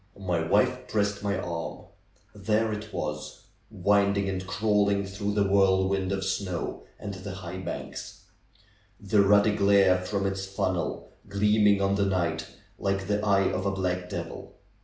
My wife pressed m}^ arm. There it was ! Winding and crawling through the whirlwind of snow and the high banks ; the ruddy glare from its funnel gleaming on the night like the eye of a black devil.